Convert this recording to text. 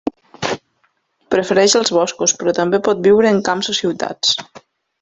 Prefereix els boscos, però també pot viure en camps o ciutats.